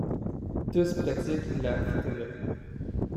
Tous pratiquent la photographie.